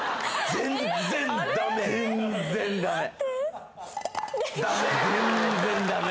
全然ダメ